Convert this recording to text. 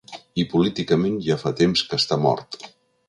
I políticament ja fa temps que està mort.